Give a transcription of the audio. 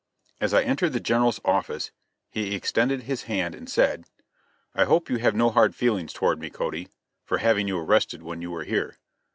As I entered the General's office he extended his hand and said: "I hope you have no hard feelings toward me, Cody, for having you arrested when you were here.